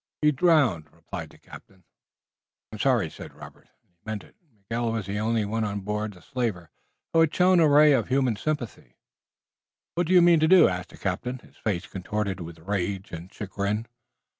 "He's drowned," replied the captain. "I'm sorry," said Robert, and he meant it. Miguel was the only one on board the slaver who had shown a ray of human sympathy. "What do you mean to do?" asked the captain, his face contorted with rage and chagrin.